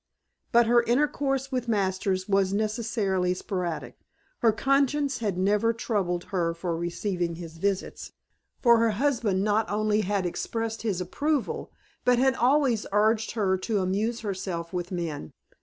But her intercourse with Masters was necessarily sporadic. Her conscience had never troubled her for receiving his visits, for her husband not only had expressed his approval, but had always urged her to amuse herself with men.